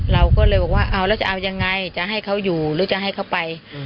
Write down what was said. เราก็เลยบอกว่าเอาแล้วจะเอายังไงจะให้เขาอยู่หรือจะให้เขาไป